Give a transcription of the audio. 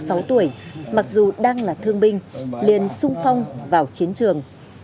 khi đó ba mươi sáu tuổi mặc dù đang là thương binh liền xung phong vào chiến trường